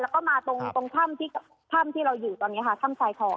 แล้วก็มาตรงถ้ำที่เราอยู่ตอนนี้ค่ะถ้ำทรายคอ